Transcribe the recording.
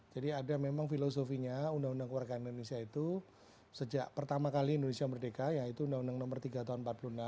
jadi ada memang filosofinya undang undang kewarganegaraan indonesia itu sejak pertama kali indonesia merdeka yaitu undang undang nomor tiga tahun seribu sembilan ratus empat puluh enam